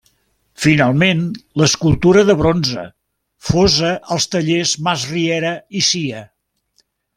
Finalment, l'escultura de bronze, fosa als tallers Masriera i Cia.